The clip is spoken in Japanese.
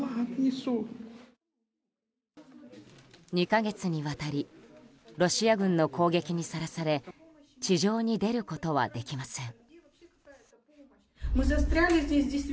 ２か月にわたりロシア軍の攻撃にさらされ地上に出ることはできません。